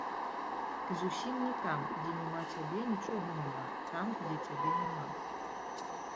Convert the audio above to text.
Ты зусім не там, дзе няма цябе нічога няма там, дзе цябе няма.